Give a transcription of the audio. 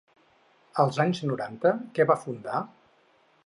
Als anys noranta, què va fundar?